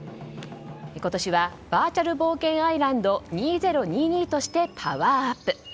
今年はバーチャル冒険アイランド２０２２としてパワーアップ。